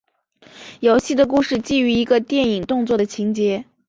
游戏的故事基于一个动作电影的情节。